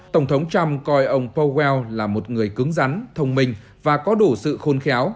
tổng thống trump coi ông powell là một người cứng rắn thông minh và có đủ sự khôn khéo